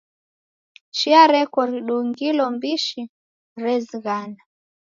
Chia reko ridungilo mbishi rezighana.